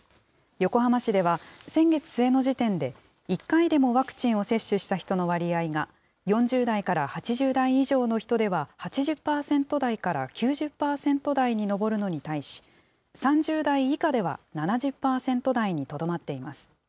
横浜市では、先月末の時点で、１回でもワクチンを接種した人の割合が、４０代から８０代以上の人では８０％台から９０％台に上るのに対し、３０代以下では７０％台にとどまっています。